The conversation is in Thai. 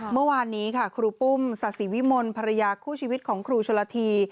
เมื่อวานนี้ค่ะครูปุ้มศาสิวิมลภรรยาคู่ชีวิตของครูชนละที